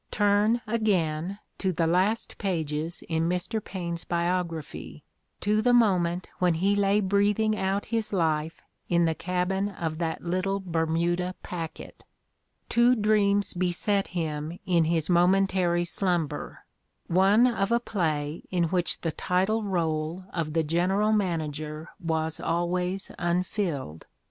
Turn, again, to the last pages in Mr. Paine 's biog raphy, to the moment when he lay breathing out his life in the cabin of that little Bermuda packet : "Two dreams beset him in his momentary slumber — one of a play in which the title role of the general man ager was always unfilled.